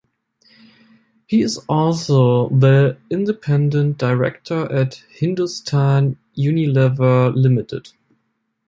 He is also the independent director at Hindustan Unilever Limited.